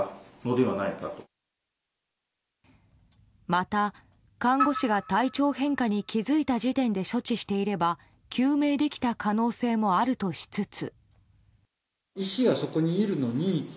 また、看護師が体調変化に気づいた時点で処置していれば救命できた可能性もあるとしつつ。